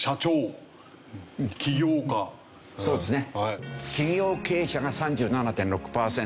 そうですね。